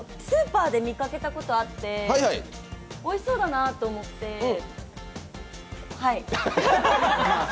スーパーで見かけたことあって、おいしそうだなと思ってはい。